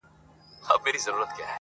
په زګېروي مي له زلمیو شپو بېلېږم؛